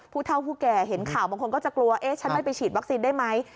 ผู้เท่าผู้แก่เห็นข่าวบางคนก็จะกลัวเอ๊ะฉันไม่ไปฉีดวัคซีนได้ไหม